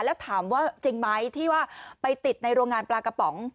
แล้วถามว่าจริงไหมที่ว่าไปติดในโรงงานปลากระป๋อง